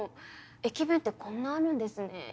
駅弁ってこんなあるんですね。